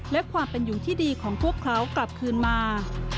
และความเป็นอยู่ที่ดีของพวกเขากลับคืนมา